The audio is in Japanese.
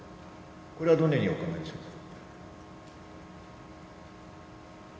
これはどのようにお考えでしょうか。